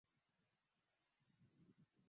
Nitatenda alivyo sema